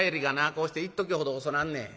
こうしていっときほど遅なんねん。